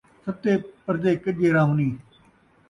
ستّے پردے کڄّے رہونیں